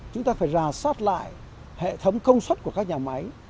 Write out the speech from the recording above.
chúng ta phải rà soát lại hệ thống công suất của các nhà máy